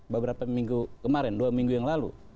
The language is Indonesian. beberapa minggu kemarin dua minggu yang lalu